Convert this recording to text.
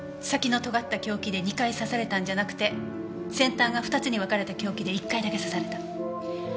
先のとがった凶器で２回刺されたんじゃなくて先端が２つに分かれた凶器で１回だけ刺された。